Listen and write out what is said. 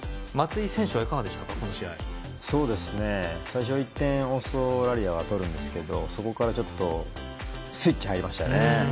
最初、１点オーストラリアが取るんですけどそこからちょっとスイッチが入りましたね。